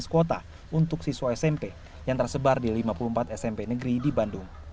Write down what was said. enam belas satu ratus dua belas kota untuk siswa smp yang tersebar di lima puluh empat smp negeri di bandung